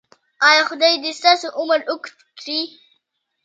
ایا خدای دې ستاسو عمر اوږد کړي؟